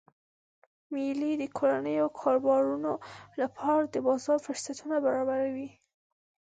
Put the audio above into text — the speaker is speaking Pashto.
میلې د کورنیو کاروبارونو لپاره د بازار فرصتونه برابروي.